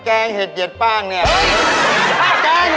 แกงเห็ดเป็ดย่างอะไรอย่างนี้